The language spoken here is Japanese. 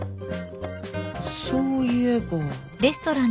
そういえば。